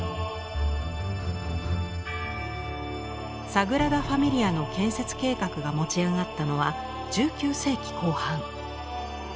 サグラダ・ファミリアの建設計画が持ち上がったのは１９世紀後半。